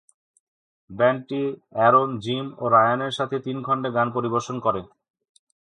ব্যান্ডটি Aaron, Jim ও রায়ানের সাথে তিন খন্ডে গান পরিবেশন করে।